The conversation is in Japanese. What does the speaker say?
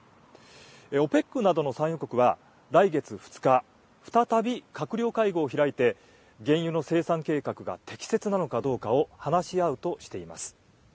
ＯＰＥＣなどの産油国は来月２日、再び閣僚会合を開いて、原油の生産計画が適切なのかどうかを話し合うとしています。